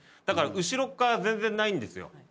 だから後ろ側全然ないんですよ。